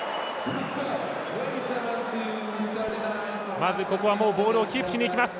まずここはもうボールをキープしにいきます。